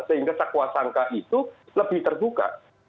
sehingga sakwa sangka itu lebih terbuka